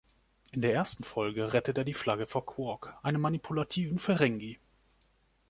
In der ersten Folge rettet er die Flagge vor Quark, einem manipulativen Ferengi.